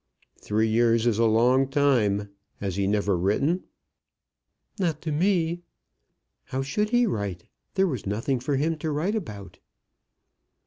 "Three years is a long time. Has he never written?" "Not to me. How should he write? There was nothing for him to write about."